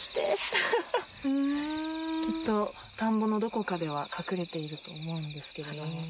アハハ！きっと田んぼのどこかでは隠れていると思うんですけども。